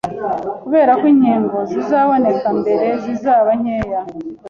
Kubera ko inkingo zizaboneka mbere zizaba nkeya,